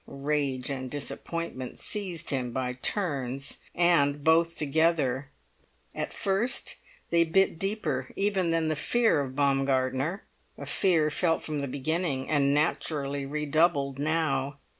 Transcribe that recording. Rage and disappointment seized him by turns, and both together; at first they bit deeper even than the fear of Baumgartner—a fear felt from the beginning, and naturally redoubled now.